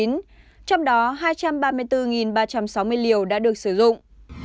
đã được sử dụng